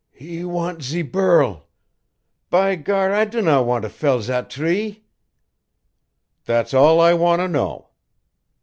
"He want ze burl. By gar, I do not want to fell zat tree " "That's all I want to know."